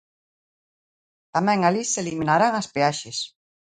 Tamén alí se eliminarán as peaxes.